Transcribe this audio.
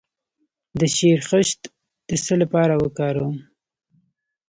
د شیرخشت د څه لپاره وکاروم؟